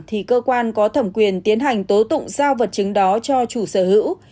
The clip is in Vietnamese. thì cơ quan có thẩm quyền tiến hành tố tụng giao vật chứng đó cho chủ sở hữu